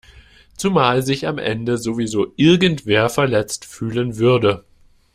Zumal sich am Ende sowieso irgendwer verletzt fühlen würde.